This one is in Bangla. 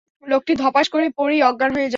লোকটি ধপাস করে পড়েই অজ্ঞান হয়ে যায়।